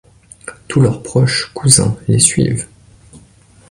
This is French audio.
Tous leurs proches cousins les suivent.